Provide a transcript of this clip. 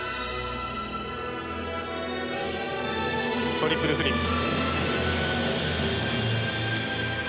トリプルフリップ。